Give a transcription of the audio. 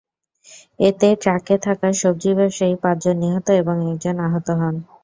এতে ট্রাকে থাকা সবজি ব্যবসায়ী পাঁচজন নিহত এবং একজন আহত হন।